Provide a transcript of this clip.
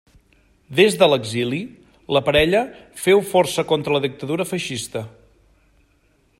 Des de l'exili, la parella féu força contra la dictadura feixista.